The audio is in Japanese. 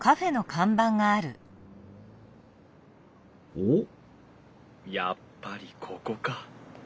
おっやっぱりここか。